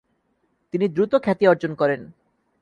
তিনি দ্রুত খ্যাতি অর্জন করেন।